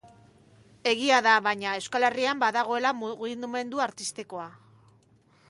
Egia da, baina, Euskal Herrian badagoela mugimendu artistikoa.